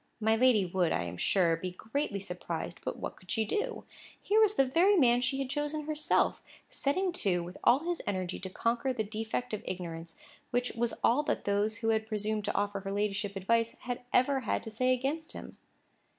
My lady would, I am sure, be greatly surprised, but what could she do? Here was the very man she had chosen herself, setting to with all his energy to conquer the defect of ignorance, which was all that those who had presumed to offer her ladyship advice had ever had to say against him.